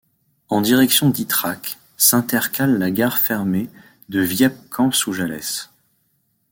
En direction d'Ytrac, s'intercale la gare fermée de Viescamp-sous-Jallès.